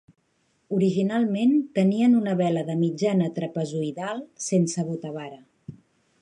Originalment tenien una vela de mitjana trapezoidal sense botavara.